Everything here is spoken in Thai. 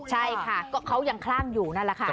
ใช่ค่ะก็เขายังคลั่งอยู่นั่นแหละค่ะ